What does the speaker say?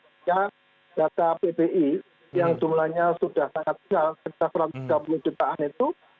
sehingga data pbi yang jumlahnya sudah sangat besar sekitar satu ratus tiga puluh jutaan itu